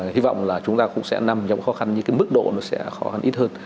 hy vọng là chúng ta cũng sẽ nằm trong khó khăn như cái mức độ nó sẽ khó khăn ít hơn